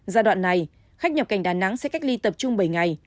giai đoạn này khách nhập cảnh đà nẵng sẽ cách ly tập trung bảy ngày